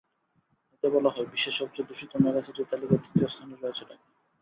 এতে বলা হয়, বিশ্বের সবচেয়ে দূষিত মেগাসিটির তালিকায় তৃতীয় স্থানে রয়েছে ঢাকা।